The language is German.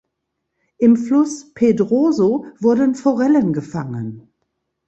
Im Fluss Pedroso wurden Forellen gefangen.